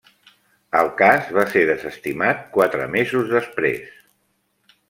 El cas va ser desestimat quatre mesos després.